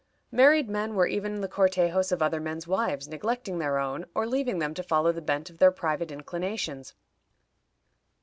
Married men were even the cortejos of other men's wives, neglecting their own, or leaving them to follow the bent of their private inclinations.